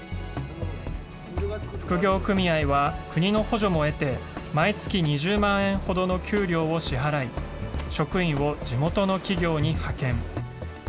複業組合は、国の補助も得て、毎月２０万円ほどの給料を支払い、職員を地元の企業に派遣。